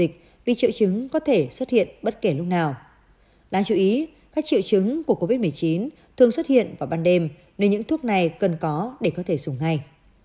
các triệu chứng của covid một mươi chín thường xuất hiện vào ban đêm nên những thuốc này cần có để có thể dùng ngay